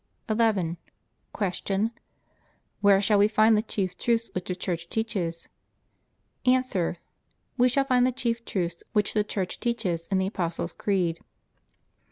11. Q. Where shall we find the chief truths which the Church teaches? A. We shall find the chief truths which the Church teaches in the Apostles' Creed.